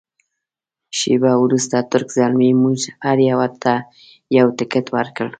شیبه وروسته تُرک زلمي موږ هر یوه ته یو تکټ ورکړ.